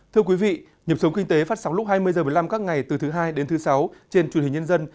thưa quý vị nhiệm sống kinh tế phát sóng lúc hai mươi h một mươi năm các ngày từ thứ hai đến thứ sáu trên truyền hình nhân dân